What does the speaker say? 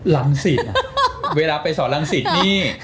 ลังศิษย์เวลาไปสอนลังศิษย์นี่